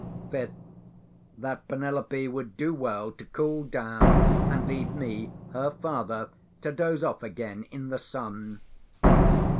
Fifth, that Penelope would do well to cool down, and leave me, her father, to doze off again in the sun.